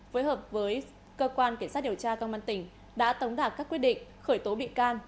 với hợp với cơ quan kiểm soát điều tra công an tỉnh đã tống đạt các quyết định khởi tố bị can